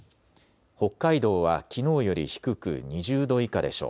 北海道はきのうより低く２０度以下でしょう。